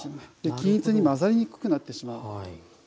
均一に混ざりにくくなってしまう。